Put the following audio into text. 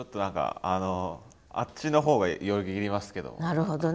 なるほどね。